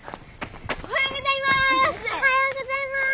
おはようございます！